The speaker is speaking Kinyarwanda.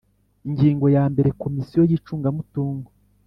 Ingingo ya mbere Komisiyo y icungamutungo